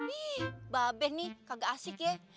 ih mbak be nih kagak asik ye